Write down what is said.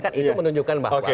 kan itu menunjukkan bahwa